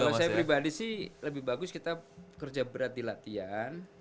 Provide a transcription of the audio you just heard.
kalau saya pribadi sih lebih bagus kita kerja berat di latihan